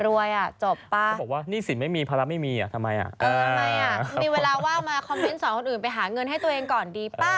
ว่าอ่ะมีเวลาว่ามีคอมเมนต์ของสองคนอื่นไปหาเงินให้ตัวเองก่อนดีปะ